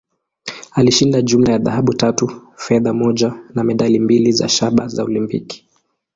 Alishinda jumla ya dhahabu tatu, fedha moja, na medali mbili za shaba za Olimpiki.